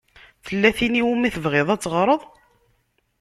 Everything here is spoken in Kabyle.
Tella tin i wumi tebɣiḍ ad teɣṛeḍ?